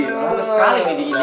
gak boleh sekali gini gini